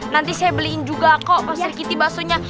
nanti saya beliin juga kok pasur kitih bakso nya